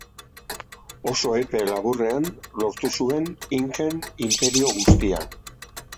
Oso epe laburrean lortu zuen inken inperio guztia.